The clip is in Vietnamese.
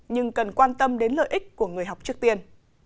nhưng cần quan tâm đến lợi ích của người học trước tiên